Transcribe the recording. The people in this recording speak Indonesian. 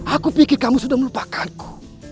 aku pikir kamu sudah melupakanku